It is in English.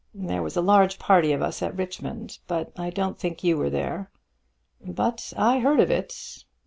There was a large party of us at Richmond, but I don't think you were there." "But I heard of it."